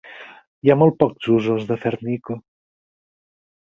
Hi ha molt pocs usos de Fernico.